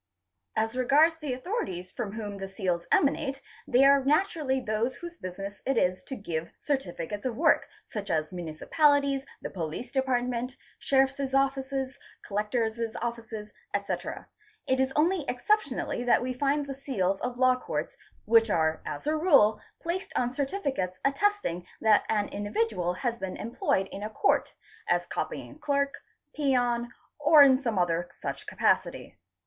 As regards the authorities from whom the seals emanate they are naturally those whose business it is to give certificates of work, such as Municipalities, the Police Department, Sheriffs' Offices, Collectors' Offices, ete. It is only exceptionally that we find the seals of Law Courts which are as a rule placed on certificates attesting that an individual has been employed in a Court, as Copying ' Clerk, Peon, or in some other such capacity.